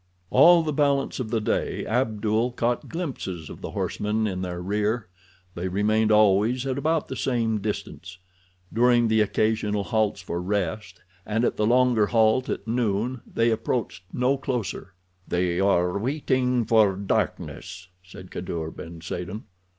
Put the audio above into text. All the balance of the day Abdul caught glimpses of the horsemen in their rear. They remained always at about the same distance. During the occasional halts for rest, and at the longer halt at noon, they approached no closer. "They are waiting for darkness," said Kadour ben Saden.